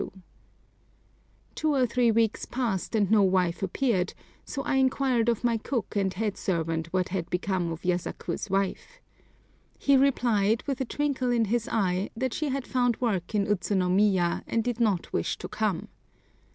Two or three weeks passed and no wife appeared, so I inquired of my cook and head servant what had become of Yasaku's wife. He replied, with a twinkle in his eye, that she had found work in Utsunomiya and did not wish to come.